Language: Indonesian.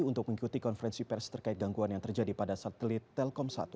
untuk mengikuti konferensi pers terkait gangguan yang terjadi pada satelit telkom satu